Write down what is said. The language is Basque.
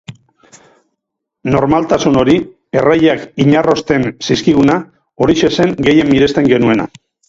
Normaltasun hori, erraiak inarrosten zizkiguna, horixe zen gehien miresten genuena.